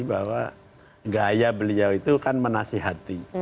bahwa gaya beliau itu kan menasihati